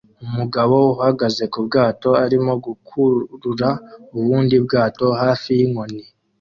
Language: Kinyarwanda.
Umugabo uhagaze ku bwato arimo gukurura ubundi bwato hafi yinkoni